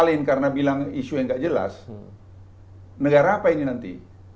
kalian karena bilang isu yang gak jelas negara apa ini nanti